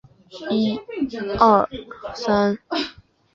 数年后原址开始被划为临时露天停车场。